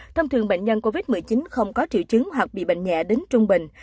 thông thường bệnh nhân covid một mươi chín không có triệu chứng hoặc bị bệnh nhẹ đến trung bình